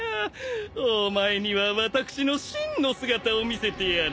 お前には私の真の姿を見せてやる。